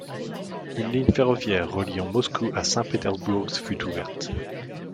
Une ligne ferroviaire reliant Moscou à Saint-Pétersbourg fut ouverte.